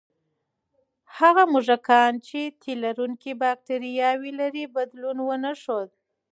هغه موږکان چې د تیلرونکي بکتریاوې لري، بدلون ونه ښود.